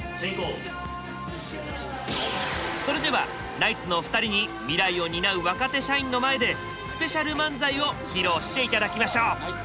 それではナイツのお二人に未来を担う若手社員の前でスペシャル漫才を披露して頂きましょう！